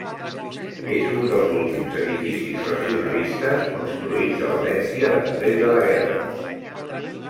És un dels últims edificis racionalistes construïts a València després de la guerra.